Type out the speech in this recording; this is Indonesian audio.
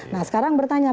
nah sekarang bertanya